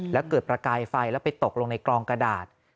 แล้วเกิดประกายไฟแล้วไปตกลงในกลองกระดาษ